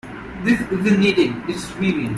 This isn't knitting, its weaving.